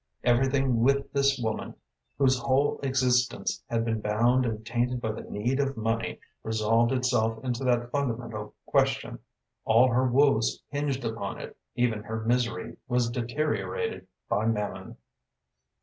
Everything with this woman, whose whole existence had been bound and tainted by the need of money, resolved itself into that fundamental question. All her woes hinged upon it; even her misery was deteriorated by mammon.